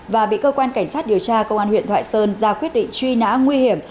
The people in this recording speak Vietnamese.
và bị cơ quan cảnh sát điều tra công an huyện thoại sơn ra quyết định truy nã nguy hiểm